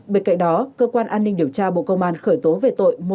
bên cạnh đó cơ quan an ninh điều tra bộ công an khởi tố về tội